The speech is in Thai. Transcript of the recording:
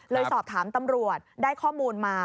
สอบถามตำรวจได้ข้อมูลมา